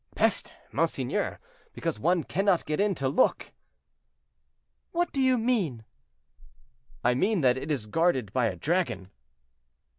"Peste! monseigneur; because one cannot get in to look." "What do you mean?" "I mean that it is guarded by a dragon."